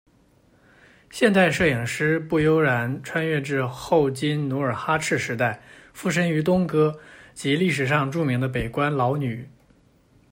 现代摄影师步悠然穿越至后金努尔哈赤时代，附身于东哥，即历史上着名的北关老女。